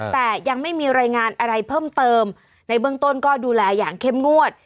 แต่ยังไม่มีรายงานอะไรเพิ่มเติมในเบื้องต้นก็ดูแลอย่างเข้มงวด